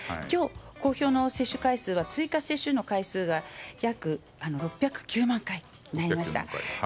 今日公表の追加接種の回数は約６０９万回になりました。